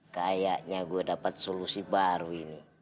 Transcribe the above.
kayaknya gue dapat solusi baru ini